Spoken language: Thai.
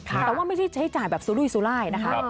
แต่ว่าไม่ใช่ใช้จ่ายแบบสุรุยสุรายนะคะ